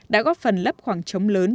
đã góp phần lấp khoảng trống lớn